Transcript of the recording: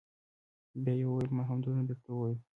بيا يې وويل ما همدومره درته وويل.